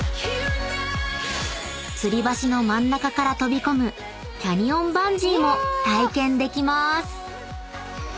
［つり橋の真ん中から飛び込むキャニオンバンジーも体験できまーす］